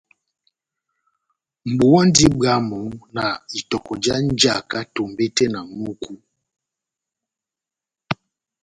Mʼbuwa múndi bwámu na itɔkɔ já njaka tombete na ŋʼhúku,